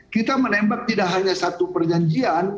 kita menembak tidak hanya satu perjanjian